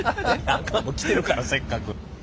あかん来てるからせっかく。